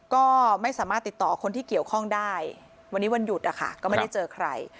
ก็ไม่สามารถติดต่อคนที่เกี่ยวข้องได้วันนี้วันหยุดนะคะก็ไม่ได้เจอใคร